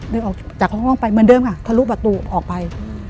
เดินออกจากห้องไปเหมือนเดิมค่ะทะลุประตูออกไป